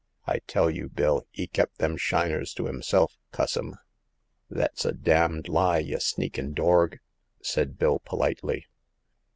I tell you. Bill, *e kep' them shiners to 'imself, cuss im ! Thet's a d d lie, y' sneakin' dorg!" said Bill, politely.